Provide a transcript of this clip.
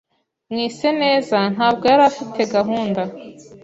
Mwiseneza ntabwo yari afite gahunda.